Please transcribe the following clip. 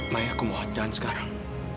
maya aku mau jalan sekarang